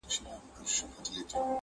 هم د سيمې پر سر ګرځي.